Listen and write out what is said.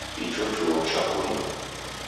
Icho chuo cha poie